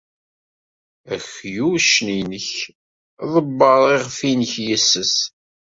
Akluc-nnek, ḍebber iɣef-nnek yes-s.